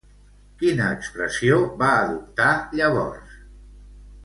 Quina expressió va adoptar llavors?